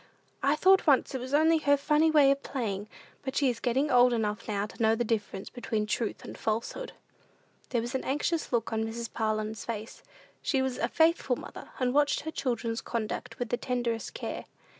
I thought once it was only her funny way of playing; but she is getting old enough now to know the difference between truth and falsehood." There was an anxious look on Mrs. Parlin's face. She was a faithful mother, and watched her children's conduct with the tenderest care.